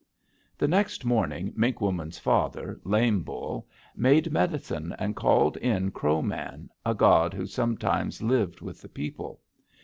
"The next morning Mink Woman's father, Lame Bull, made medicine and called in Crow Man, a god who sometimes lived with the people.